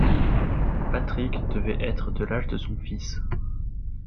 Patrick devait être de l’âge de son fils.